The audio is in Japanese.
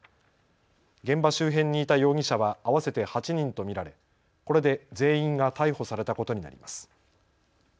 現場周辺にいた容疑者は合わせて８人と見られ、これで全員が逮捕されたことになります。